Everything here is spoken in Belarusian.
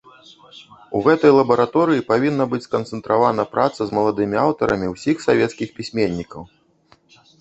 У гэтай лабараторыі павінна быць сканцэнтравана праца з маладымі аўтарамі ўсіх савецкіх пісьменнікаў.